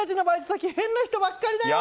最近変な人ばっかりだよ。